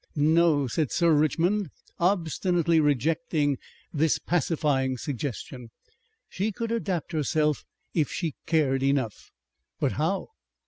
"No," said Sir Richmond, obstinately rejecting this pacifying suggestion; "she could adapt herself. If she cared enough." "But how?"